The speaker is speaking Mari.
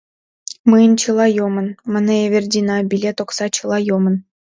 — Мыйын чыла йомын, — мане Эвердина, — билет, окса, чыла йомын.